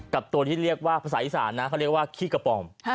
กับตัวที่เรียกว่าภาษาอิสานเขาเรียกว่าคิกะป่อม